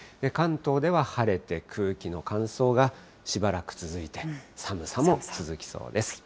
関東では晴れて、空気の乾燥がしばらく続いて、寒さも続きそうです。